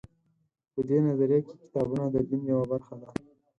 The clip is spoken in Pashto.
په دې نظریه کې کتابونه د دین یوه برخه دي.